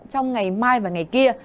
trong ngày mai và ngày kia